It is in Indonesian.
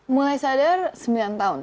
mulai sadar sembilan tahun